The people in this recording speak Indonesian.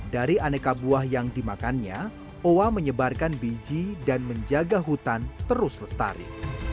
dari aneka buah yang dimakannya oa menyebarkan biji dan menjaga hutan terus lestari